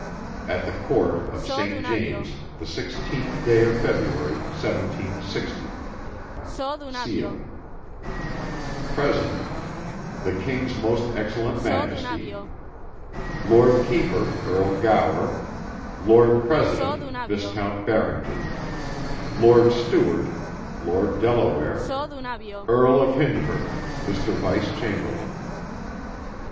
At the Court of St. James's, the 16th day of February, 1760, (Seal) (Present) The King's Most Excellent Majesty, Lord Keeper, Earl Gower, Lord President, Viscount Barrington, Lord Steward, Lord Deleware, Earl of Hyndford, Mr. Vice Chamberlain.